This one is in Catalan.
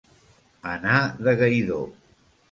Anar de gaidó.